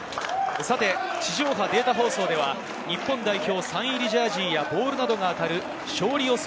地上波データ放送では日本代表サイン入りジャージーやボールなどが当たる勝利予想